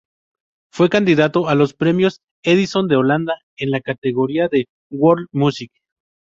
Fue candidato a los Premios Edison de Holanda en la categoría de World Music.